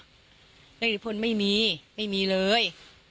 เรื่องอิทธิพลไม่มีไม่มีเลย